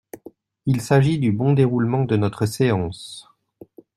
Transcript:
Il s’agit du bon déroulement de notre séance.